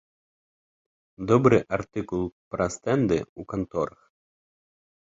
Добры артыкул пра стэнды ў канторах.